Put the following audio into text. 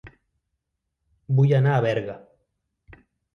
Vull anar a Berga